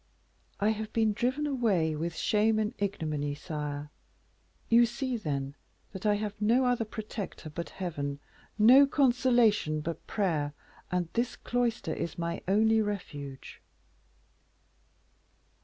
"I have been driven away with shame and ignominy, sire. You see, then, that I have no other protector but Heaven, no consolation but prayer, and this cloister is my only refuge."